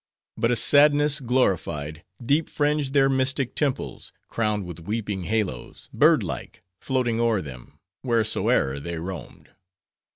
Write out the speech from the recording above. But a sadness glorified, deep fringed their mystic temples, crowned with weeping halos, bird like, floating o'er them, whereso'er they roamed.